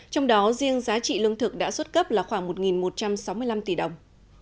trong đó riêng giá trị lương thực đã xuất cấp là khoảng một một trăm sáu mươi năm tỷ đồng